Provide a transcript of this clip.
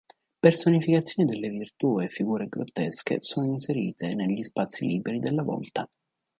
Personificazioni delle Virtù e figure grottesche sono inserite negli spazi liberi della volta.